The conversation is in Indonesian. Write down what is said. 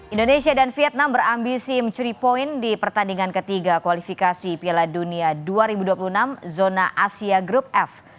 indonesia dan vietnam berambisi mencuri poin di pertandingan ketiga kualifikasi piala dunia dua ribu dua puluh enam zona asia grup f